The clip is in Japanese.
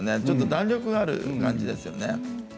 ちょっと弾力がある感じですよね。